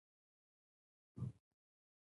د سندرغاړو د غږ لپاره د خامې هګۍ ژیړ وخورئ